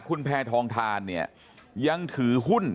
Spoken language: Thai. คุณแพทองทานเนี่ยยังถือหุ้น